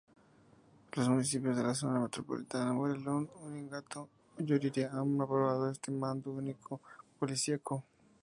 Los municipios de la zona metropolitana Moroleón-Uriangato-Yuriria han aprobado este mando único policiaco.